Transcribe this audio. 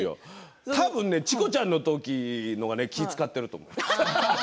多分チコちゃんの時の方が気を遣っていると思う。